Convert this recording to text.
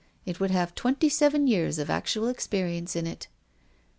It had twenty seven years of actual experience in it."